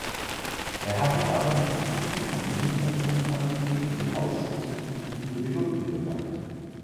Er hat ihn aber mit geschickten Kompromissänderungsanträgen im Ausschuss gut über die Runden gebracht.